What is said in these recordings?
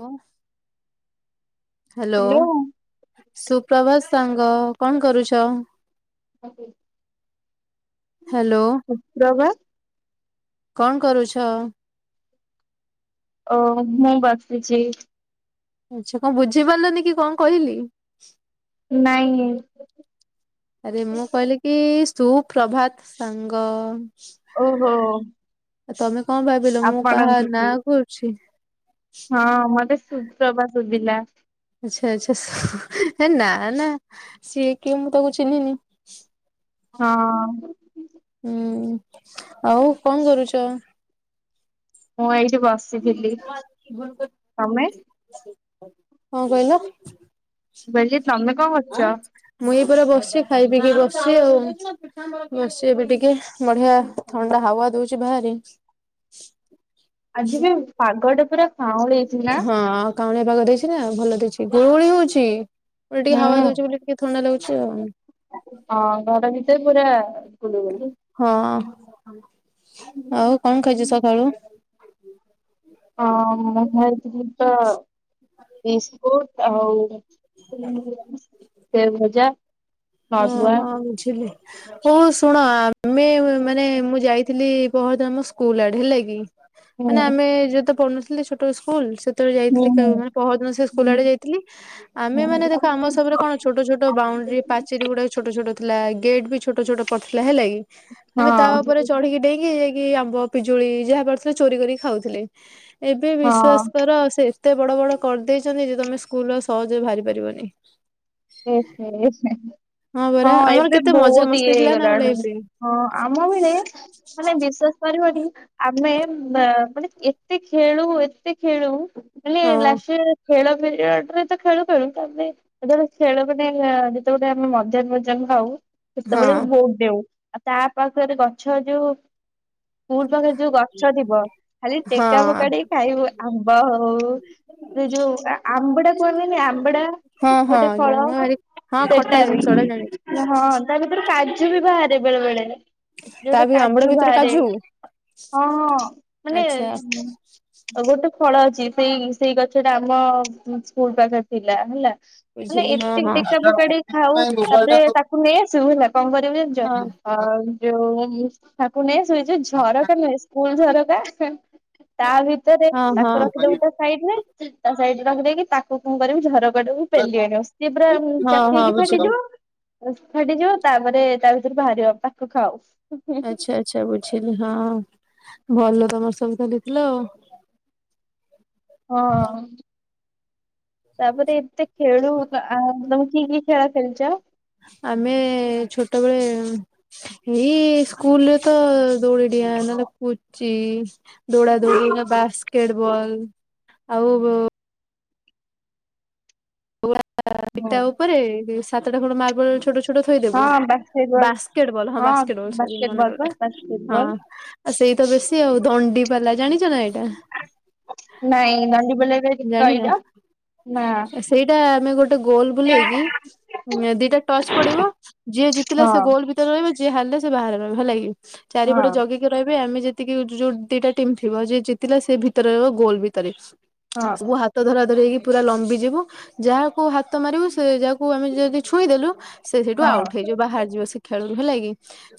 ଉଁ hello. Hello. ସୁପ୍ରଭାତ ସାଙ୍ଗ କଣ କରୁଛ। [unintelligible] ହାଲୋ। ଦବା। କଣ କରୁଛ? ଓ ମୁଁ ବସିଚି। ଆଛା କଣ ବୁଝି ପାରିଲନି କି କଣ କହିଲି? ନାଇଁ ଆରେ ମୁଁ କହିଲି କି ସୁପ୍ରଭାତ ସାଙ୍ଗ। ଓହୋ। ତମେ କଣ ଭାବିଲ ମୁଁ କାହା ଆପଣଙ୍କୁ କି? ନାଁ କହୁଛି। ହଁ ମତେ ସୁପ୍ରଭା ଶୁବିଲା। ଆଚ୍ଛା ଆଚ୍ଛା ହେ ନା ନା ସିଏ କିଏ ମୁଁ ତାକୁ ଚିହ୍ନିନି। ହଁ। ହୁଁ ଆଉ କଣ କରୁଛ? ମୁଁ ଏଇଠି ବସିଥିଲି ତମେ? କଣ କହିଲ? ବୋଲି ତମେ କଣ କରୁଛ? ମୁଇ ଏଇ ପରା ବସିଚି ଖାଇ ପିଇକି ବସିଚି ଆଉ ବସିଚି ଏବେ ଟିକେ ବଢିଆ ଥଣ୍ଡା ହାୱା ଦଉଛି ବାହାରେ। ଆଜି ବି ପାଗଟା ପୁରା କାଉଁଳେଇଛି ନା? ହଁ ଆଉ କାଉଁଳିଆ ପାଗ ଦେଇଛି ନା ଭଲ ଦେଇଛି ଗୁଳୁ ଗୁଳି ହଉଛି। ଓଲଟି ହୁଁ ହାୱା ଦଉଛି ବୋଲି ଟିକେ ଥଣ୍ଡା ଲାଗୁଛି ଆଉ। ହଁ ଘର ଭିତରେ ପୁରା ଗୁଳୁଗୁଳୁ। ହଁ ଆଉ କଣ ଖାଇଛ ସକାଳୁ? ହଁ ମୁଁ ଖାଇଥିଲି ତ ବିସ୍କୁଟ ଆଉ ସେଓ ଭଜା। ନଡୁଆ। ଓହୋ ବୁଝିଲି ହଉ ଶୁଣ ଆମେ ମାନେ ମୁଁ ଯାଇଥିଲି ବହତ ଆମ ସ୍କୁଲ ଆଡ଼େ ହେଲା କିି ହୁଁ ମାନେ ଆମେ ଯେହେତୁ ପଢ଼ୁନଥିଲେ ଛୋଟ ଇସ୍କୁଲ ଯେତେବେଳେ ହୁଁ। ଯାଇଥିଲି କେ ମାନେ ପହରଦିନ ସେ ହୁଁ। ସ୍କୁଲ ଆଡେ ଯାଇଥିଲି ଆମେ ହଁ ମାନେ ଦେଖ ଆମ ସବୁରେ କଣ ଛୋଟ ଛୋଟ ବାଉଣ୍ଡରି ପାଚେରୀ ଗୁଡାକ ଛୋଟ ଛୋଟ ଥିଲା ଗେଟ୍ ବି ଛୋଟ ଛୋଟ ପଡିଥିଲା ହେଲା କି। ଆମେ ତା ଓପରେ ଚଢ଼ିକି ଡ଼େଇଁକି ଯାଇକି ଆମ୍ବ ପିଜୁଳି ଯାହା ପାରୁଥିଲେ ଚୋରି କରିକି ଖାଉଥିଲେ। ଏବେ ହଁ ବିଶ୍ବାସ କର ସେ ଏତେ ବଡ଼ ବଡ଼ କରିଦେଇଚନ୍ତି ଯେ ତମେ ସ୍କୁଲ ଆଉ ସହଜରେ ବାହାରି ପାରିବନି। ଏହେ ପରା ହଁ ଆମର ଏବେ କେତେ ମଜା ବହୁତ ଇଏ ମସ୍ତି ଥିଲା ନା ଆମ ଲାଇଫ୍ ହେଇଗଲାଣି। ରେ ହଁ ଆମ ବେଳେ ମାନେ ବିଶ୍ୱାସ କରିବନି ଆମେ ବା ମାନେ ଏତେ ଖେଳୁ ଏତେ ଖେଳୁ ହେଲେ ହଁ ଲାଷ୍ଟ ଇଅର୍ ଖେଳ ପିରିଅଡ୍ ଖେଳୁ ଖେଳୁ ତା ପରେ ଖେଳ ଗୋଟେ ଯେତେବେଳେେ ଆମେ ମଯାକ୍ ପଜାକ୍ ଖାଉ ହଁ ସେତେବେଳେ ବି ଭୋଉ ଡେଉଁ। ଆଉ ତା ପାଖରେ ଗଛ ଯୋଉ ସ୍କୁଲ ପାଖରେ ଯୋଉ ଗଛ ଥିବ ଖାଲି ଟେକା ହଁ ଫୋକାଡି ଖାଇବୁ ଆମ୍ବ ହଉ ସେ ଯୋଉଟା ଆମ୍ବଡ଼ା କୁହନ୍ତିନି ଆମ୍ବଡ଼ା ହଁ ହଁ ଗୋଟେ ଫଳ ଜାଣିବା ଭାରି ହଁ ଖଟା ଜିନିଷ ସେଟାବି ଟା ଜାଣିଛି ହଁ ତାଲେ କାଜୁ ବି ବାହାରେ ବେଳେ ବେଳେ। ଯୋଉଟା ତା ବି ଆମ୍ବୁଡା କାଜୁ ଭିତରୁ ବାହାରେ କାଜୁ ହଁ ହଁ ମାନେ ଆଚ୍ଛା ଆଉ ଗୋଟେ ଫଳ ଅଛି ସେଇ ସେଇ ଗଛ ଟା ଆମ ସ୍କୁଲ ପାଖରେ ଥିଲା ହେଲା। ମାନେ ବୁଝିଲି ହଁ ଏତେ ହଁ ଟେକା ଫୋକାଡ଼ି ଖାଉ ତାପରେ ତାକୁ ନେଇଆସୁ ହେଲା, କଣ କରିବୁ ଜାଣିିଛ? ଆ ଯୋଉ ତାକୁ ନେଇ ଆସୁ ଏଇ ଯୋଉ ଝରକା ନୁହେଁ ସ୍କୁଲ ଝରକା ତା ଭିତରେ ହଁ ହଁ ତାକୁ ରଖିଦବୁ ହଁ ତା ସାଇଡ଼ ରେ ତା ସାଇଡ଼ ରେ ରଖିଦେଇକି ତାକୁ କଣ କରିବୁ ଝରକା ଟାକୁ ପେଲିଆଣିବୁ ସିଏ ପୁରା ହଁ ଚାପି ହଁ ହେଇକି ବୁଝିଲି ଫାଟିଯିବ। ଫାଟିଯିବ ତାପରେ ତା ଭିତରୁ ବାହାରିବ ତାକୁ ଖାଉ। ଆଚ୍ଛା ଆଚ୍ଛା ବୁଝିଲି ହଁ ଭଲ ତମର ସବୁ ତ ତଲେଇଥିଲ ଆଉ। ହଁ। ତାପରେ ଏତେ ଖେଳୁ ଆ ତମେ କି କି ଖେଳ ଖେଳିଚ? ଆମେ ଛୋଟବେଳେ ଏଇ ସ୍କୁଲରେ ତ ଦୌଡ଼ିଡ଼ିଆଁ ହେଲା ନା ପୁଚି ଦୌଡ଼ା ଦୋଡ଼ି ନା ବାସ୍କେଟବଲ ଆଉ ହଁ ଇଟା ଉପରେ ସାତଟା ଖଣ୍ଡେ ମାର୍ବଲ ଛୋଟ ଛୋ ଟା ଥୋଇଦବୁ ହଁ ବାସ୍କେଟ ବଲ୍ ବାସ୍କେଟବଲ ହଁ ବାସ୍କେଟବଲ ସରି ବାସ୍କେଟ ବଲ୍ ପା ମନେପଡ଼ିଲା ବାସ୍କେଟ ହଁ। ବଲ୍। ଆ ସେଇତ ବେଶୀ ଆଉ ଦଣ୍ଡି ପାଲା, ଜାଣିଛ ନା ଏଇଟା? ନାଇଁ ଦଣ୍ଡି ବୋଲା ଟା ଟିକେ ଜାଣିନା କହିଲ ନା ଆ ସେଇଟା ଆମେ ଗୋଟେ ଗୋଲ୍ ବୁଲେଇଲି ଦିଟା ଟଚ୍ ପଡ଼ିବ ଯିଏ ଜିତିଲା ହଁ ସେ ଗୋଲ୍ ଭିତରେ ରହିବ ଯିଏ ହାରିଲେ ସେ ବାହାରେ ରହିବ ହେଲାକି ଚାରିପଟେ ହଁ ଜଗି ଯ ରହିବେ ଆମେ ଯେତିକି ଯୋଉ ଦିଟା ଟିମ୍ ଥିବ ଯିଏ ଜିତିଲା ସେ ଭିତରେ ରହିବ ଗୋଲ ଭିତରେ। ହଁ ସବୁ ହାତ ଧରାଧରି ହେଇକି ପୁରା ଲମ୍ବି ଯିବୁ। ଯାହାକୁ ହାତ ମାରିବୁ ସେ ଯାହାକୁ ଆମେ ଯଦି ଛୁଇଁଦେଲୁ ସେ ସେଇଠୁ ହଁ ଆଉଟ୍ ହେଇ ଯିବ ହାରିଯିବ ସେ ଖେଳରୁ ହେଲା କି।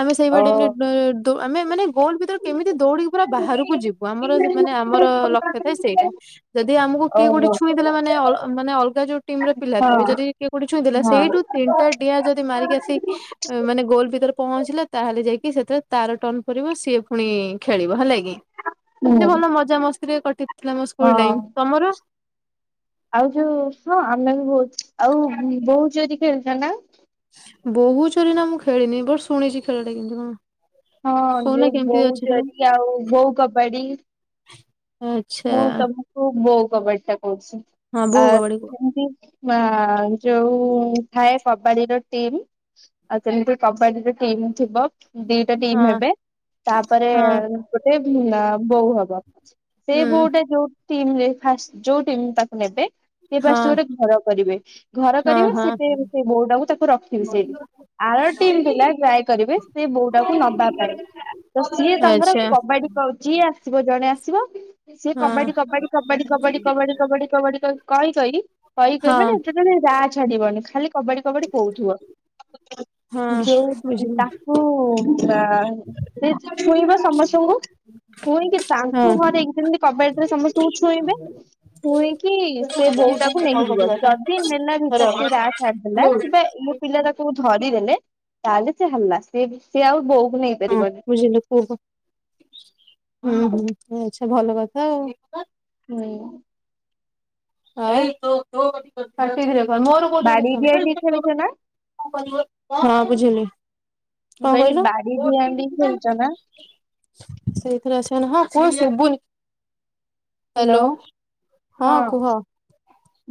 ଆମେ ଓ ସେଇବାଟେମ୍ ରେ ଡୋ ଦୋ ଆମେ ମାନେ ଗୋଲ୍ ଭିତରେ କେମିତି ଦୌଡିକି ପୁରା ବାହାରକୁ ଯିବୁ ଆମର ମାନେ ଆମର ଲକ୍ଷ୍ୟ ଥାଏ ସେଇଟା। ଯଦି ଆମକୁ କିଏ ଗୋଟେ ଓହୋ ଛୁଇଁଦେଲା ମାନେ ଅଲ ମାନେ ଅଲ ଯୋଉ ଟିମ୍ ର ପିଲା ଥିବେ ହଁ ଯଦି କିଏ କୋଉଠି ଛୁଇଁ ଦେଲା ହଁ। ସେଇଠୁ ତିନିଟା ଡିଆଁ ଯଦି ମାରିକି ଆସିି ମାନେ ଗୋଲ ଭିତରେ ପହଞ୍ଚିଲା ତାହେଲେ ଯାଇକି ସେଥିରେ ତାର ଟର୍ଣ ପଡିବ ସିଏ ଫୁଣି ଖେଳିବ ହେଲା କିି। ହୁଁ ମି ଭଲ ମଜା ମସ୍ତିରେ କଟିଥିଲା ମୋ ସ୍କୁଲ ହଁ। ଟାଇମ୍ ତମର? ଆଉ ଯୋଉ ହଁ ଆମେ ବି ବହୁତ୍। ଆଉ ବୋହୁ ଚୋରି ଖେଳିଛ ନା? ବୋହୁ ଚୋରି ନା ମୁଁ ଖେଳିନି ବଟ୍ ଶୁଣିଛି ଖେଳଟା କେମତି କଣ। ହଁ କହୁନା ଯୋଉ କେମିତି ବୋଉ ଅଛି ଖେଳ? ଚୋରି ଆଉ ବୋଉ କବାଡି। [unintelligible] ମୁଁ ତମକୁ ବୋଉ କବାଡି ଟା କହୁଛି ହଁ ଆ ବୋହୂ କବାଡି କୁହ ଯେମିତି ମା ଯୋଉ ଥାଏ କବାଡିର ଟିମ୍। ଆଉ ସେମିତି କବାଡିରେ ଟିମ୍ ଥିବ। ଦିଟା ଟିମ୍ ହଁ ହେବେ ତାପରେ ହଁ ଗୋଟେ ଆ ବୋଉ ହବ। ସେ ହୁଁ ବୋଉଟା ଯୋଉ ଟିମ୍ ରେ ଫାଷ୍ଟ ଯୋଉ ଟିମ୍ ତାକୁ ନେବେ ସେ ହଁ ଫାଷ୍ଟ ଗୋଟେ ଘର କରିବେ ଘର ହଁ କରିବେ ହଁ ସେଠିି ସେ ବୋଉଟାକୁ ତାକୁ ରଖିବେ ସେଇଠି। ଆର ଟିମ୍ ପିଲା ଟ୍ରାଏ କରିବେ ସିଏ ବୋଉଟାକୁ ନବା ପାଇଁ, ତ ସିଏ ତାଙ୍କର ଆଚ୍ଛା କବାଡ଼ି କଉ ଯିଏ ଆସିବ ଜଣେ ଆସିବ ସିଏ ହଁ କବାଡ଼ି କବାଡ଼ି କବାଡ଼ି କବାଡ଼ି କବାଡ଼ି କବାଡ଼ି କବାଡ଼ି କ କହି କହି କହି କହି ହଁ ମାନେ [unintelligible] ମାନେ ରା ଛାଡ଼ିବନି ଖାଲି କବାଡ଼ି କବାଡ଼ି କହୁଥୁଅ। ହଁ ଯୋଉ ବୁଝିଲି ତା ଉଁ ତା ସେ ଛୁଇଁବ ସମସ୍ତଙ୍କୁ ପୁଣି କି ତାଙ୍କୁ ହଁ ମ ନାଇଁ ସେମିତି କବାଡ଼ିରେ ସମସ୍ତଙ୍କୁ ଛୁଏଁଇବେ। ଛୁଏଁଇକି ସେ ବୋଉଟାକୁ ନେଇକିଯିବ। ଯଦି ନେଲା ଭିତରେ ସେ ରା ଛାଡ଼ିଦେଲା ହଁ କିମ୍ବା ଏଇ ପିଲା ତାକୁ ଧରିଦେଲେ ତାହେଲେ ସେ ହେଲା ସେ ବି ସିଏ ଆଉ ବୋଉକୁ ନେଇ ହଁ ବୁଝିଲି କୁହ। ହଁ ହଁ ଆଚ୍ଛା ଭଲ କଥା ଆଉ। ହୁଁ। ଆଇ ତୁ ତୋ [unintelligible] ମୋର କୋଉଥୀରେ ବାଡି କିଛି ଡିଆଁଡି ଖେଳିଛ ନା ହବନି [unintelligible] ହଁ ବୁଝିଲି। ମୁଁ କଣ କହିଲି କହିଲୁ? ବାଡି ଡିଆଁଡି ଖେଳିଛ ନା? ସେଇଥିରେ ଆସିବନି ହଁ କଣ ଶୁଭୁନି। Hello hello. ହଁ କୁହ।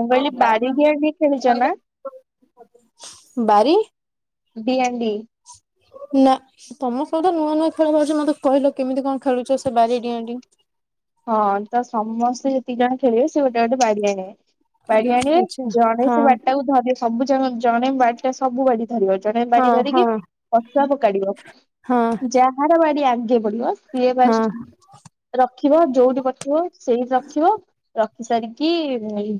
ମୁଁ କହିଲି ବାଡ଼ି ଡିଆଁ ଡେଇଁ ଖେଳିଚ ନା? ବାରି ଡିଆଁ ଡେଇଁ। ନା ତମ ସହିତ ନୂଆ ନୂଆ ଖେଳ ଖେଳୁଚ। ମତେ କହିଲ କେମିତି କଣ ଖେଳୁଚ ସେ ବାରି ଡିଆଁ ଡେଇଁ। ହଁ ତ ସମସ୍ତେ ଯେତିକି ଜଣ ଖେଳିବେ ସେ ଗୋଟେ ଗୋଟେ ବାଡ଼ି ଆଣିବେ। ବାଡ଼ି ଆଣିଏ। ଆଚ୍ଛା ଜଣେ ସେ ହଁ ବାଡ଼ିଟାକୁ ଧରି ସବୁ ଯାକ ଜଣେ ବାଡ଼ିଟା ସବୁ ବାଡ଼ି ଧରିବ ଜଣେ ବାଡ଼ି ହଁ ଧରିକି ହଁ ଅଶୁଆ ପକାଡ଼ିବ ହଁ ଯା ର ବାଡ଼ି ଆଗେ ପଡ଼ିବ ସିଏ ହଁ ଫାଷ୍ଟ ଖିବ ଯୋଉଠି ପଚିବ ସେଇଠି ରଖିବ ର ଖି ସାରିକି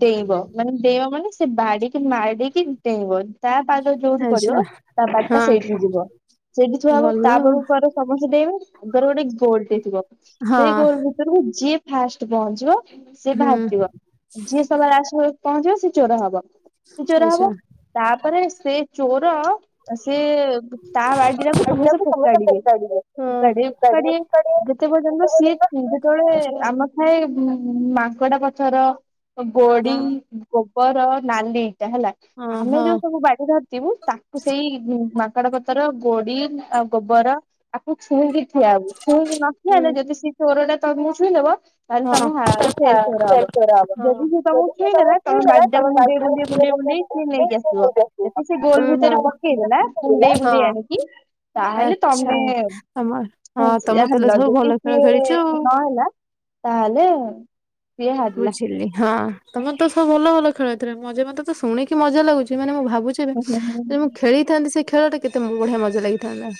ଡେଇଁବ ମାନେ ଡେଇଁବ ମାନେ ସେ ବାଡ଼ିକି ମାଡ଼ିକି ଡେଇଁବ। ତା ପାଦ ଯୋଉଠି ଆଚ୍ଛା ପଡ଼ିବ ତା ବାଡ଼ିଟା ହଁ ସେଇଠିକି ଯିବ। ସେଇଠି ଥୁଆ ହବ ଭଲ ତା ବେଳକୁ କୁଆରେ ସମସ୍ତେ ଡେଇଁବ ଆଗରେ ଗୋଟେ ଗୋଲ୍ ଟେ ଥିବ ହଁ ସେଇ ଗୋଲ୍ ଭିତରକୁ ଯିଏ ଫାଷ୍ଟ ପହଞ୍ଚିବ। ସିଏ ହୁଁ ବାହାରିଯିବ। ଯିଏ ସବା ଲାଷ୍ଟକୁ ପହଞ୍ଚିବ ସିଏ ଚୋର ହବ। ସିଏ ଚୋର ଆଚ୍ଛା। ହବ। ତାପରେ ସେ ଚୋର ସେ ତା ବାଡ଼ିଟାକୁ ସମସ୍ତେ ପିଲାକୁ ପୋକାଡ଼ିବେ ଫୋପାଡିବେ ପୋକାଡ଼ିବେ ଫୋପାଡିବେ କାଡ଼ିବେ ଫୋପାଡିବେ ସେତେ ପର୍ଯ୍ୟନ୍ତ ସିଏ [unintelligible] ତଳେ ଆମ ଥାଏ ମାଙ୍କଡ଼ା ପଥର ଗୋଡ଼ି, ହଁ ଗୋବର, ନାଲିଇଟା ହେଲା। ହଁ ଆମେ ହଁ ଯୋଉ ସବୁ ବାଡ଼ି ଧର୍ ଇଥିବୁ ତାକୁ ସେଇ ମାଙ୍କଡ଼ ପଥର, ଗୋଡ଼ି ଆଉ ଗୋବର ଆକୁ ଛୁଇଁ କି ଠିଆ ହବୁ ଛୁଇଁ କି ନ ଠିଆ ହୁଁ ହେଲେ ଯଦି ସେ ଚୋରଟା ତମକୁ ଛୁଇଁ ଦବ ତାହେଲେ ହଁ। ତମେ ହ ଫେର୍ ଚୋର ହବ। ଯଦି ସିଏ ତମକୁ ସେ ଛୁଇଁ ଦେଲା ତମେ ଛୁଇଁଦେଲା ବାଗ୍ ଟାକୁ ମୁୁଣ୍ଡେଇ ବାଧ୍ୟ ମୁଣ୍ଡେଇ ମୁଣ୍ଡେଇ ମୁଣ୍ଡେଇ ହେଇକି ନେଇକି ଆସିବ। ହୁଁ ଯଦି ସେ ଗୋଲ୍ ହୁଁ ଭିତରେ ପକେଇ ଦେଲା ମୁଣ୍ଡେଇ ହଁ। ମୁଣ୍ଡେଇ ଆଣିକି ତାହେଲେ ଆଚ୍ଛା ତମେ ତମ ହଁ ତମେ ତାହେଲେ ଜାଣିଲ ସବୁ ଯଦି ଭଲ ଖେଳ ସିଏ ଖେଳିଛ ଆଉ। ନ କଣ ହେଲା ତାହେଲେ ସିଏ ହାରିଲା। ବୁଝିଲି ହଁ ତମେ ତ ସବୁ ଭଲ ଭଲ ଖେଳୁଥିଲ। ମାନେ ମତେ ତ ଶୁଣିକି ମଜା ଲାଗୁଛି ମାନେ ମୁଁ ଭାବୁଛି ମୁଁ ଯେ ମୁଁ ଖେଳିଥାନ୍ତି ସେ ଖେଳଟି କେତେ ବଢ଼ିଆ ମଜା ଲାଗିଥାନ୍ତା।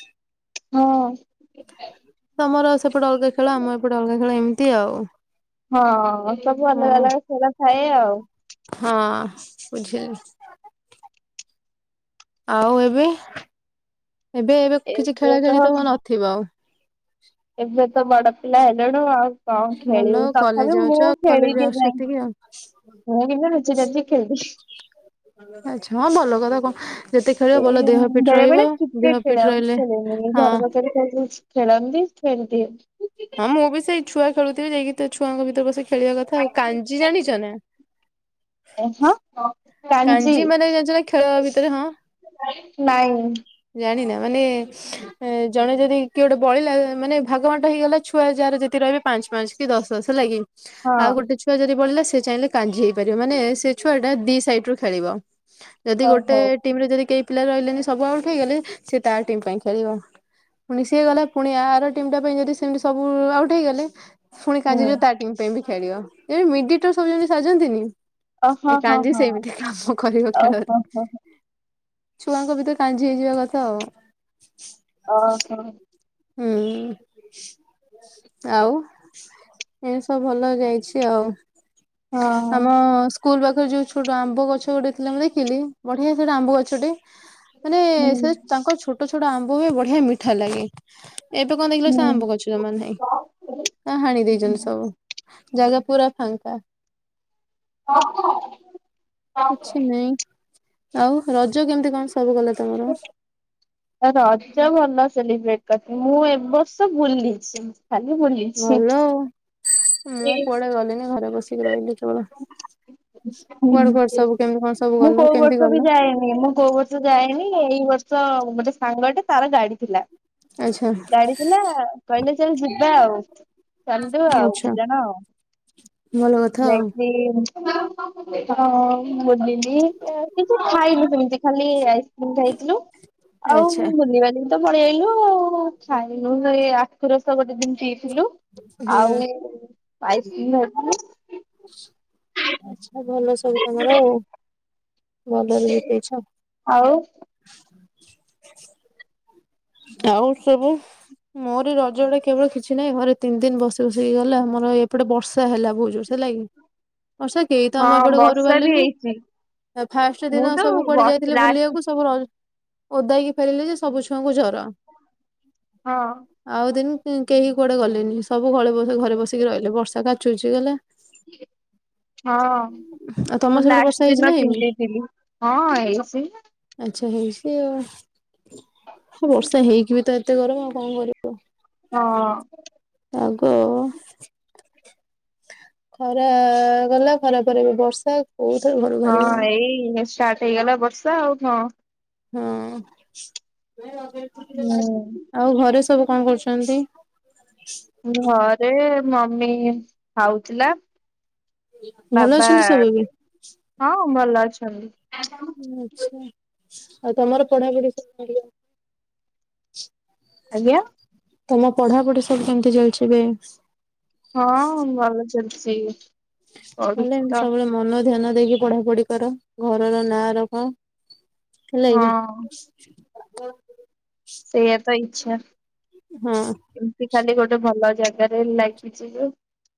ହଁ ତମର ସେପଟେ ଅଲଗା ଖେଳ ଆମ ଏପଟେ ଅଲଗା ଖେଳ ଏମିତି ଆଉ। ହଁ ସବୁ ହଁ ଅଲଗା ଅଲଗା ଖେଳ ଥାଏ ଆଉ। ହଁ ବୁଝିଲି। ଆଉ ଏବେ ଏବେ ଏବେ କିଛି ଖେଳା ଖେଳି ତ ନଥିବ ଆଉ। ଏବେ ତ ବଡ଼ ପିଲା ହେଲୁଣି ଆଉ। କଣ ଭଲ ଖେଳିବୁ କଲେଜ ତଥାପି ଯାଉଛ ମୁଁ କଲେଜ ଖେଳିଦିଏ ଆସୁଛ ଯାଇଁ ସେତିକି ଆଉ ମୁଁ କିନ୍ତୁ ନୁଚିନାଚିକି ଖେଳିଦିଏ। ଆଚ୍ଛା। ହଁ ଭଲ କଲ କଣ ଯେତେ ଖେଳିବ ଏଇ ଭଲ ଦେହ ଫିଟ ବେଳେ ରହିବ ବେଳେ ଦେହ କ୍ରିକେଟ ଫିଟ ଖେଳ ଆଉ ରହିଲେ ଖେଳିନି ହଁ ଘର ପଛରେ ଖେଳିଦୋଉଛି। ଖେଳନ୍ତି ସେମିତି। ହଁ ମୁଁ ବି ସେଇ ଛୁଆ ଖେଳୁଥିବେ ଯାଇକି ତ ଛୁଆଙ୍କ ଭିତରେ ପଶି ଖେଳିବା କଥା। ଆଉ କାଞ୍ଜି ଜାଣିଛ ନା? ଆ ହଁ ହଁ। କାଞ୍ଜି ମାନେ ଜାଣିଛ ନା ଖେଳ ଭିତରେ ହଁ ନାଇଁ ଜାଣିନା ମାନେ ଏ ଜଣେ ଯଦି କିଏ ଗୋଟେ ବଳିଲା ମାନେ ଭାଗ ବାଣ୍ଟ ହେଇଗଲା ଛୁଆ ଯାହାର ଯେତିି ରହିବେ ପାଞ୍ଚ ପାଞ୍ଚ। କି ଦଶ ଦଶ ହେଲାକି। ହଁ ଆଉ ଗୋଟେ ଛୁଆ ଯଦି ବଢିଲା ସେ ଚାହିଁଲେ କାଞ୍ଜି ହେଇପାରିବ ସେ ଛୁଆ ଟା ଦି ସାଇଟ୍। ରୁ ଖେଳିବ ଯଦି ଓ ଗୋଟେ ହଉ ଟିମ ରେ ଯଦି କେହି ପିଲା ରହିଲେନି ସବୁ ଆଉଟ୍ ହେଇଗଲେ ସେ ତା ଟିମ୍ ପାଇଁ ଖେଳିବ। ପୁଣି ସିଏ ଗଲା ପୁଣି ଆର ଟିମ୍ ଟା ପାଇଁ ଯଦି ସେମିତି ସବୁ ଆଉଟ୍ ହେଇଗଲେ ପୁଣି କା ହୁଁ ଯଉ ତା ଟିମ ପାଇଁ ଖେଳିବ। ଜେମ୍ ମିଡିଏଟର ସବୁ ସାଜନ୍ତିନି। ଓ ହଁ ଏ ହଁ କାଞ୍ଜି ହଁ ସେମିତି। କାମ କରିବ ଓ ଖେଳରେ ହୋ ହୋ। ଛୁଆଙ୍କ ଭିତରେ କାଞ୍ଜି ହେଇଯିବା କଥା ଆଉ। ଓହୋ। ହୁଁ। ଆଉ ଏମିତି ସବୁ ଭଲ ଯାଇଛି ଆଉ। ହଁ ଆମ ସ୍କୁଲ ପାଖରେ ଯୋଉ ଛୋଟ ଆମ୍ବ ଗଛ ଗୋଟେ ଥିଲା ମୁଁ ଦେଖିଲି ବଢିଆ ସେଟା ଆମ୍ବ ଗଛଟେ। ମାନେ ସେ ତାଙ୍କର ଛୋଟ ଛୋଟ ଆମ୍ବ ହୁଏ ବଢିଆ ମିଠା ଲାଗେ। ଏବେ କଣ ଦେଖିଲ ସେ ହୁଁ। ଆମ୍ବ ଗଛ ଯୋଉମାନେ ଏ ହାଣି ଦେଇଛନ୍ତି ସବୁ ଜାଗା ପୁରା ଫାଙ୍କା। [unintelligible] କିଛି ନାଇଁ ଆଉ ରଜ କେମିତି କଣ ସବୁ କଲେ ତମର? ରଜ ଭଲ ସେଲିବ୍ରେଟ କରିଥିଲି ମୁଁ ଏ ବର୍ଷ ବୁଲିଛି। କାଲି ମୋର ଏ ଭଲ ସିଫ୍ଟ। ଆଉ। ମୁଁ କୁଆଡେ ଗଲିନି ଘରେ ବସିକି ରହିଲି କେବଳ। ହୁଁ। କୁଆଡେ କୁଆଡେ ସବୁ କେମତି କଣ ସବୁ ମୁଁ ଗଲ କୋଉ କେମିତି ବର୍ଷ ବି ଗଲ? ଯାଏନି ମୁଁ କୋଉ ବର୍ଷ ଯାଏନି ଏଇ ବର୍ଷ ମୋଟେ ସାଙ୍ଗଟେ ତାର ଗାଡି ଥିଲା। ଆଚ୍ଛା ଗାଡିଥିଲା କହିଲେ ଚାଲ ଯିବା ଆଉ ଚାଲିଲୁ ଆଉ। ଦି ଆଚ୍ଛା ଜଣ ଆଉ ଭଲ କଥା ଆଉ। ଯାଇକି ହଁ ବୁଲିଲି। କିଛି ଖାଇନୁ ସେମିତି ଖାଲି ଆଇସ୍କ୍ରିମ ଖାଇଥିଲୁ ଆଉ ଆଚ୍ଛା ମୁଁ ବୁଲିବାଲି ତ ପଳେଇଆଇଲୁ। ଖାଇଲୁ ସେ ଆଖୁରସ ଗୋଟେ ଦିନ ପିଇଥିଲୁ। ହୁଁ। ଆଉ [unintelligible] ଆଚ୍ଛା ଭଲ ସବୁ ତମର ଆଉ। ଭଲରେ ବିତେଇଛ। ଆଉ? ଆଉ ସବୁ? ମୋର ରଜ ଟା କେବଳ କିଛି ନାହିଁ ଘରେ ତିନି ଦିନ ବସି ବସି କି ଗଲା ମୋର ଏପଟେ ବର୍ଷା ହେଲା ବହୁତ ଜୋର ସେ। ହେଲାକି, ବର୍ଷା କେହି ତ ହଁ ଆମ ଏପଟୁ ଘରୁ ବର୍ଷା ବି ବାହାରିଲେନି। ହେଇଛି ଫାଷ୍ଟ ମୁଁ ଦିନ ତ ସବୁ କୁଆଡ଼େ ବର୍ଷ ଯାଇଥିଲେ ଲାଷ୍ଟ ବୁଲିବାକୁ ସବୁ ଓଦା ହେଇକି ଫେରିଲେ ଯେ ସବୁ ଛୁଆଙ୍କୁ ଜର। ହଁ। ଆଉ ଦିନେ କେହି କୁଆଡ଼େ ଗଲେନି। ସବୁ ଘଳେ ଘରେ ବସିକି ରହିଲେ। ବର୍ଷା କାଚୁଛି ଗଲା। ହଁ। ଆଉ ତମ ମୁଁ ସେପଟେ ବର୍ଷା ଲାଷ୍ଟ ହେଇଛି ନା ଦିନ। ହେଇନି? [unintelligible] ହଁ ହେଇଛି। ଆଚ୍ଛା ହେଇଛି ଆଉ। ହଉ ବର୍ଷା ହେଇକି ତ ଏତେ ଗରମ ଆଉ କଣ କରିବି। ହଁ। ପାଗ ଖରା ଗଲା, ଖରା ପରେ ଏବେ ବର୍ଷା। କୋଉଥିରେ ଘରୁ ହଁ, ବାହାରି ହଉନି। ଏଇ ଷ୍ଟାର୍ଟ ହେଇଗଲା ବର୍ଷା ଆଉ କଣ। ହଁ। ହୁଁ। ଆଉ ଘରେ ସବୁ କଣ କରୁଛନ୍ତି? ଘରେ ମମି ଖାଉଥିଲା। ଭଲ ବାବା ଅଛନ୍ତି ସବୁ ଏବେ? ହଁ ଭଲ ଅଛନ୍ତି। ଆଚ୍ଛା। ଆଉ ତମର ପଢ଼ାପଢି଼ ସବୁ? [unintelligible] ଆଜ୍ଞା ତମ ପଢ଼ାପଢି଼ ସବୁ କେମତି ଚାଲିଛି ଏବେ? ହଁ, ଭଲ ଚାଲଛି। ଭଲ ଏମିତି ସବୁବେଳେ ମନ ଧ୍ୟାନ ଦେଇକି ପଢ଼ା ପଢି଼ କର। ଘରର ନାଁ ରଖ। ହଁ ହେଲାକି? ସେଇୟା ତ ଇଚ୍ଛା। ହଁ। [unintelligible] ଖାଲି ଗୋଟେ ଭଲ ଜାଗାରେ ଲାଗି ଯିବୁ।